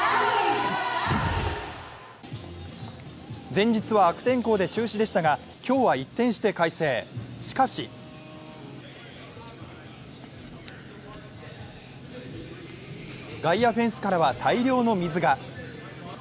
前日は悪天候で中止でしたが、今日は一転して快晴、しかし外野フェンスからは大量の水が。